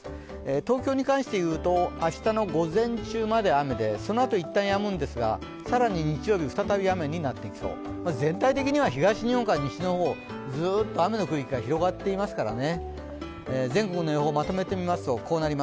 東京に関して言うと明日の午前中まで雨でそのあと一旦やむんですが、更に日曜日、再び雨になってきそう、全体的には東日本から西日本、ずっと雨の区域が広がっていますからね。